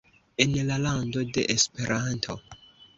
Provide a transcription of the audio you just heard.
en la lando de Esperanto